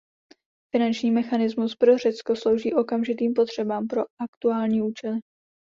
Finanční mechanismus pro Řecko slouží okamžitým potřebám pro aktuální účely.